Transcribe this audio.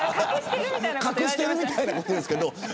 隠してるみたいになってますけど。